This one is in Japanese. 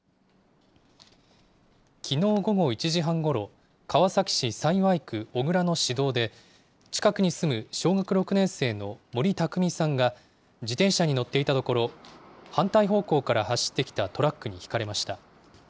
きのう午後１時半ごろ、川崎市幸区小倉の市道で、近くに住む小学６年生の森巧さんが、自転車に乗っていたところ、反対方向から走ってきたトラックにひかれました。